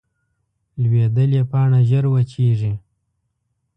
لوېدلې پاڼه ژر وچېږي